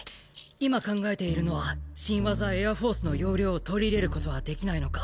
今考えているのは新技エアフォースの要領を取り入れることはできないのか